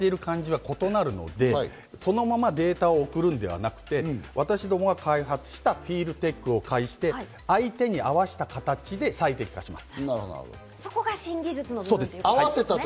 ポイントは人それぞれ触っている感じが異なるので、そのままデータを送るのではなくて、私どもが開発したＦＥＥＬＴＥＣＨを介して、相手に合わせた形で最適化します。